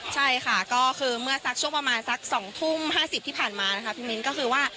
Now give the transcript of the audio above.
ใช่ค่ะก็คือเมื่อสักช่วงประมาณสัก๒ทุ่ม๕๐ที่ผ่านมานะคะ